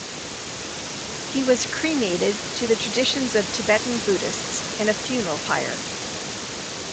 He was cremated to the traditions of Tibetan Buddhists in a funeral pyre.